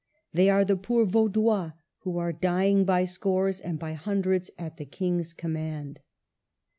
They are the poor Vaudois, who are dying by scores and by hundreds at the King's command